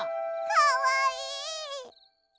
かわいい！